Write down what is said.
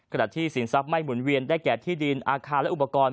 สินทรัพย์ไม่หุ่นเวียนได้แก่ที่ดินอาคารและอุปกรณ์